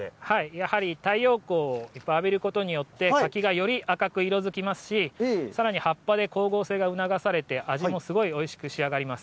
やはり、太陽光をいっぱい浴びることによって、柿がより赤く色づきますし、さらに葉っぱで光合成が促されて、味もすごいおいしく仕上がります。